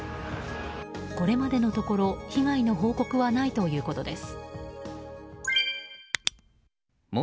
これまでのところ被害の報告はないということです。